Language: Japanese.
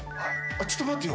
ちょっと待てよ。